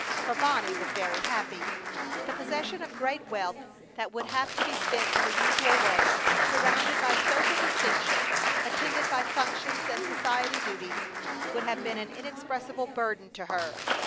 For Bonnie was very happy. The possession of great wealth that would have to be spent in the usual way, surrounded by social distinction, attended by functions and society duties, would have been an inexpressible burden to her.